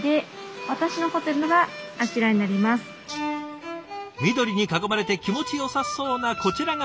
緑に囲まれて気持ちよさそうなこちらが職場。